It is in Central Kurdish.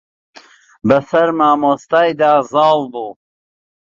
بە سەر مامۆستای دا زاڵ بوو.